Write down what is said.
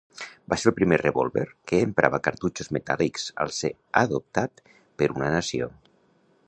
Va ser el primer revòlver que emprava cartutxos metàl·lics al ser adoptat per una nació.